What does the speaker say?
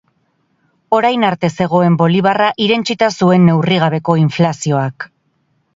Orain arte zegoen bolibarra irentsita zuen neurrigabeko inflazioak.